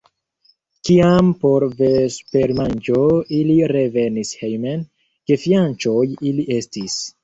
Kiam por vespermanĝo ili revenis hejmen, gefianĉoj ili estis.